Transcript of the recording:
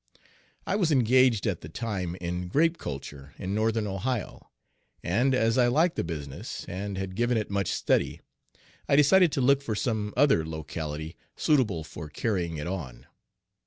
I was engaged at the time in Page 2 grape culture in northern Ohio, and, as I liked the business and had given it much study, I decided to look for some other locality suitable for carrying it on.